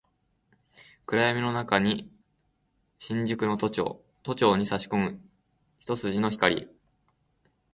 暗闇の中に佇む新宿都庁、都庁に差し込む一筋の光